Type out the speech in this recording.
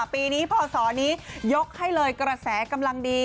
ปีนี้พศนี้ยกให้เลยกระแสกำลังดี